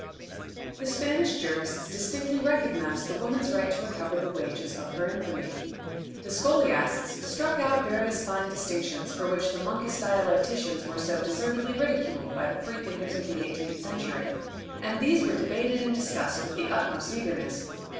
The Spanish jurists distinctly recognized the woman's right to recover the wages of her infamy. The scholiasts struck out various fine distinctions, for which the monkish dialecticians were so deservedly ridiculed by the free thinkers of the eighteenth century, and these were debated and discussed with the utmost eagerness.